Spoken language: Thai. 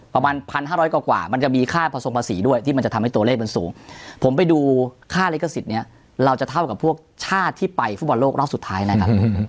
ประมาณ๑๕๐๐กว่ามันจะมีค่าผสมภาษีด้วยที่มันจะทำให้ตัวเลขมันสูงผมไปดูค่าลิขสิทธิ์นี้เราจะเท่ากับพวกชาติที่ไปฟุตบอลโลกรอบสุดท้ายนะครับ